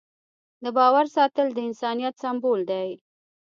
د باور ساتل د انسانیت سمبول دی.